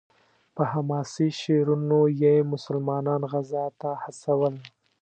په حماسي شعرونو یې مسلمانان غزا ته هڅول.